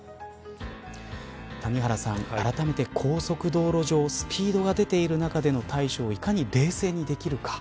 谷原さんあらためて高速道路上スピードが出ている中での対処をいかに冷静にできるか。